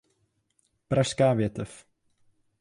Pražská větev.